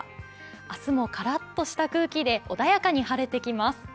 明日もカラッとした空気で穏やかに晴れてきます。